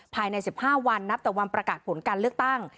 ภายใน๑๕วันนับแต่วันประกาศผลการเลือกตั้ง